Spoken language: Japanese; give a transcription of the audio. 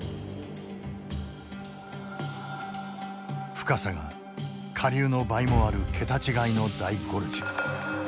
深さが下流の倍もある桁違いの大ゴルジュ。